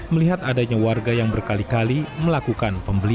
melihat adanya warga yang berbeda dengan orang yang berbeda